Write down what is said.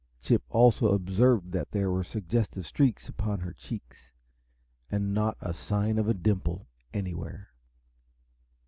Chip also observed that there were suggestive streaks upon her cheeks and not a sign of a dimple anywhere.